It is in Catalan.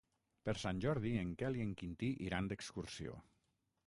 Per Sant Jordi en Quel i en Quintí iran d'excursió.